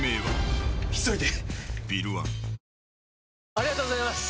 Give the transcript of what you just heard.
ありがとうございます！